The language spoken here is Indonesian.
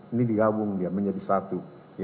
ini digabung dia menjadi satu